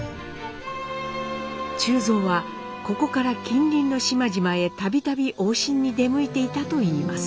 忠蔵はここから近隣の島々へ度々往診に出向いていたといいます。